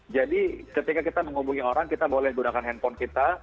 jadi ketika kita menghubungi orang kita boleh menggunakan handphone kita